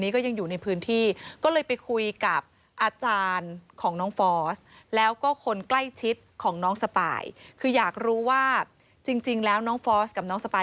คืออยากรู้ว่าจริงแล้วน้องฟอร์สกับน้องสปาย